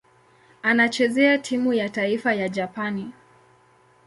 Anachezea timu ya taifa ya Japani.